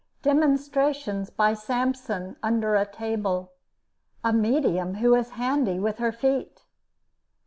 DEMONSTRATIONS BY "SAMPSON" UNDER A TABLE. A MEDIUM WHO IS HANDY WITH HER FEET.